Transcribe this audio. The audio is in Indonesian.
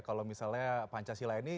kalau misalnya pancasila ini